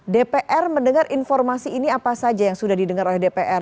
dpr mendengar informasi ini apa saja yang sudah didengar oleh dpr